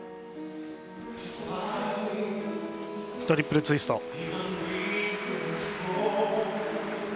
トリプルツイスト。